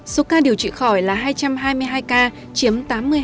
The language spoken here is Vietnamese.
số ca điều trị khỏi là hai trăm hai mươi hai ca chiếm tám mươi hai